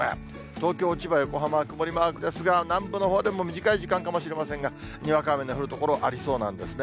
東京、千葉、横浜は曇りマークですが、南部のほうでも短い時間かもしれませんが、にわか雨の降る所、ありそうなんですね。